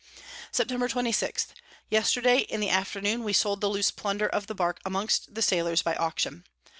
Sept. 26. Yesterday in the Afternoon we sold the loose Plunder of the Bark amongst the Sailors by Auction.